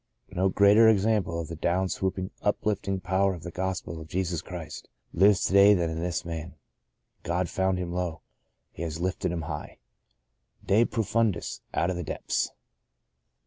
No greater example of the down swooping, uplifting power of the Gospel of Jesus Christ lives to day than this man. God found him low. He has lifted him high. De profimdis — out of the depths